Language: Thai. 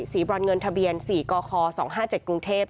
สีบรรเงินทะเบียนสีกอคอสองห้าเจ็ดกรุงเทพ